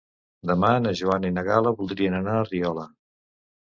Demà na Joana i na Gal·la voldrien anar a Riola.